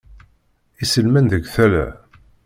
Iselman deg tala.